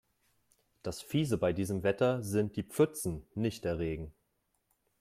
Das Fiese bei diesem Wetter sind die Pfützen, nicht der Regen.